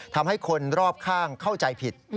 ทำให้คนรอบข้างเข้าใจผิด